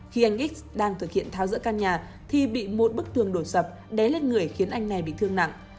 khi anh x đang thực hiện tháo rỡ căn nhà thì bị một bức tường đổ sập đé lên người khiến anh này bị thương nặng